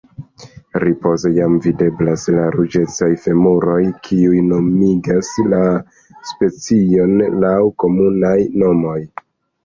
Ripoze jam videblas la ruĝecaj femuroj kiuj nomigas la specion laŭ komunaj nomoj.